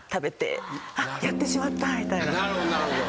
なるほどなるほど。